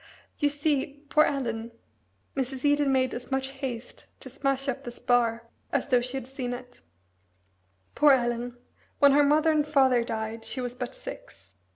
"You see, poor Ellen" Mrs. Eden made as much haste to smash up the spar as though she had seen it "poor Ellen, when her mother and father died she was but six.